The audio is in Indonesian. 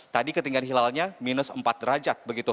jadi ketinggian hilalnya minus empat derajat